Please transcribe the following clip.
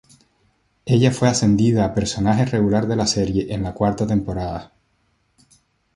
Ella fue ascendida a personaje regular de la serie en la cuarta temporada.